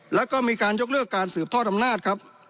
และมีการยกเลือกการสืบทอดอำนาจ